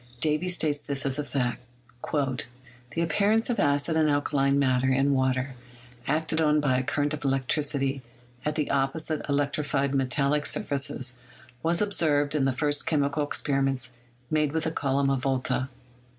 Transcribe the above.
Davy states this as a fact : "The appearance of acid and alkaline matter in water acted on by a current of electricity at the opposite elec trified metallic surfaces was observed in the first chemical experiments made with the column of Volta."